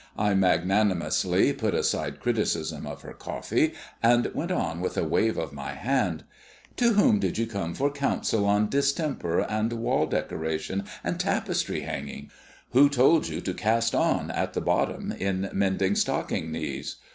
I magnanimously put aside criticism of her coffee, and went on with a wave of my hand. "To whom did you come for counsel on distemper and wall decoration and tapestry hanging? Who told you to cast on at the bottom in mending stocking knees?